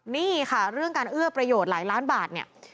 นี่ค่ะเรื่องการเอื้อประโยชน์หลายล้านบาทเนี่ย